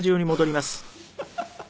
ハハハハ。